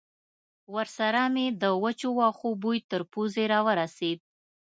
ورسره مې د وچو وښو بوی تر پوزې را ورسېد.